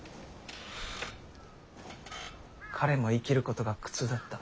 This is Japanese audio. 彼も生きることが苦痛だった。